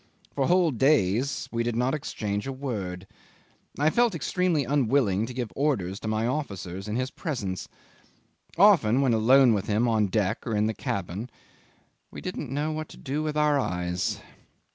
For whole days we did not exchange a word; I felt extremely unwilling to give orders to my officers in his presence. Often, when alone with him on deck or in the cabin, we didn't know what to do with our eyes.